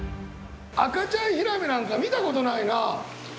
赤ちゃんヒラメなんか見たことないな。